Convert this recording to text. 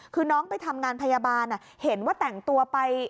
คือน้องไปทำงานพยาบาลเห็นว่าแต่งตัวไป